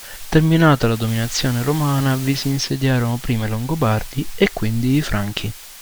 Terminata la dominazione romana, vi si insediarono prima i Longobardi e quindi i Franchi.